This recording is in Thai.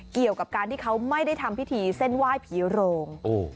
เกี่ยวกับการที่เขาไม่ได้ทำพิธีเส้นไหว้ผีโรง